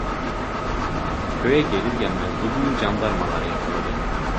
Köye gelir gelmez Dudu'yu candarmalar yakaladı.